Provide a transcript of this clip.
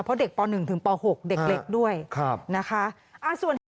เพราะเด็กป๑ถึงป๖เด็กเล็กด้วยนะคะ